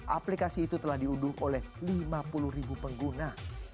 aplikasi itu telah diunduh oleh lima puluh ribu pengguna